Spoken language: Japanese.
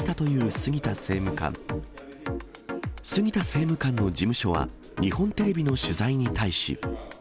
杉田政務官の事務所は、日本テレビの取材に対し。